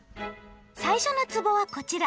最初のつぼはこちら。